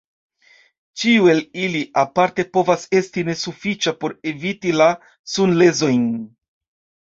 Ĉiu el ili aparte povas esti nesufiĉa por eviti la sunlezojn.